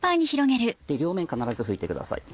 両面必ず拭いてください